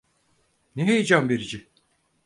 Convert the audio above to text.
Ne heyecan verici.